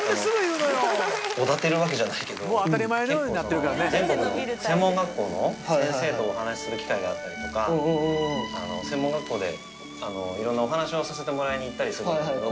おだてるわけじゃないけど、結構、全国の専門学校の先生とお話する機会があったりとか、専門学校でいろんなお話をさせてもらいにいったりするんだけど。